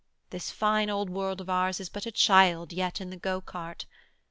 This fine old world of ours is but a child Yet in the go cart.